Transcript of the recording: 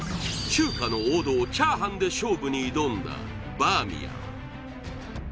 中華の王道チャーハンで勝負に挑んだバーミヤン